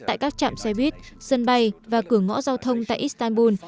tại các trạm xe buýt sân bay và cửa ngõ giao thông tại istanbul